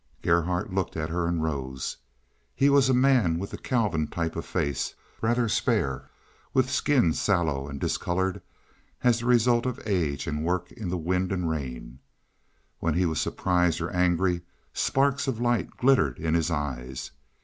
Gerhardt looked at her and rose. He was a man with the Calvin type of face, rather spare, with skin sallow and discolored as the result of age and work in the wind and rain. When he was surprised or angry sparks of light glittered in his eyes.